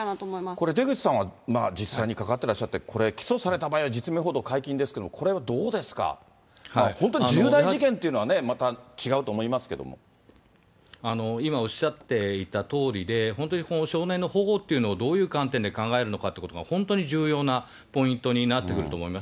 これ、出口さんは、実際にかかってらっしゃって、これ、起訴された場合は実名報道解禁ですけども、これはどうですか、本当に重大事件っていうのはまた今おっしゃっていたとおりで、本当に少年の保護というのをどういう観点で考えるのかっていうことが、本当に重要なポイントになってくると思います。